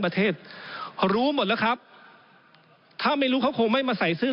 เพราะงั้นท่าราออกมันก็ไม่จบ